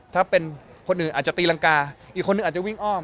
ถ้าเป็นคนอื่นอาจจะตีรังกาอีกคนนึงอาจจะวิ่งอ้อม